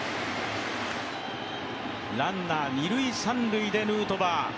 ランナー二・三塁でヌートバー。